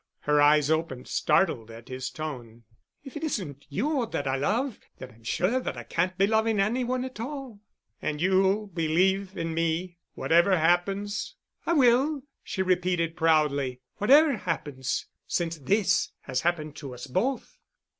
Her eyes opened, startled at his tone. "If it isn't you that I love, then I'm sure that I can't be loving any one at all." "And you'll believe in me—whatever happens?" "I will——" she repeated proudly. "Whatever happens—since this has happened to us both."